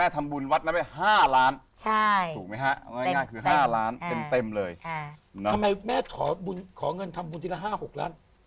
ทำไมแม่ขอเงินทำบุญทีละ๕๖ล้าน